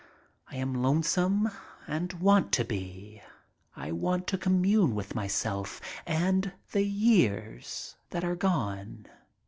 I am lonesome and want to be. I want to commune with myself and the years that are gone.